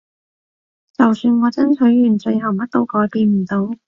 就算我爭取完最後乜都改變唔到